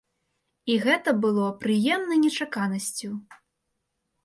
І гэта было прыемнай нечаканасцю.